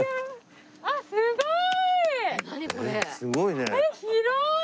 すごーい！